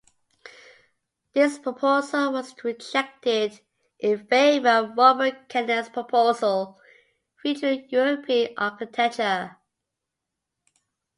This proposal was rejected in favour of Robert Kalina's proposal featuring European architecture.